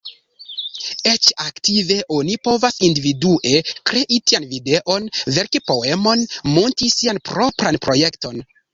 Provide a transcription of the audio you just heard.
Eĉ aktive, oni povas individue krei tian videon, verki poemon, munti sian propran projekton.